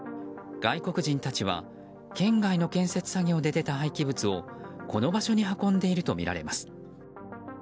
外国人たちは県外の建設作業で出た廃棄物をこの場所に運んでいるとみられます。